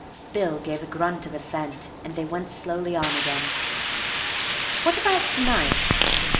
Bill gave a grunt of assent, and they went slowly on again. "What about to night?"